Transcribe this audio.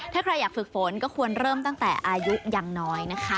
ถ้าใครอยากฝึกฝนก็ควรเริ่มตั้งแต่อายุยังน้อยนะคะ